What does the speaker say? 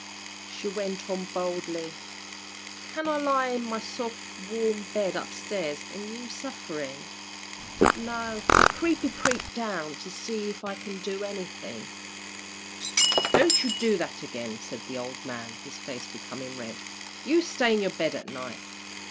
She went on boldly, "Can I lie in my soft, warm bed up stairs an' you a sufferin'? No, I creepy, creepy down, to see if I can do anythin'." "Don't you do that again," said the old man, his face becoming red. "You stay in your bed at night."